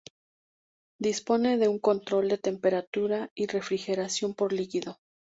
Dispone de un control de temperatura y refrigeración por líquido.